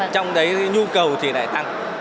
trong đấy nhu cầu thì lại tăng